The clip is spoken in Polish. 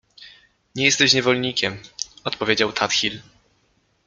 — Nie jesteś niewolnikiem — odpowiedział Tadhil.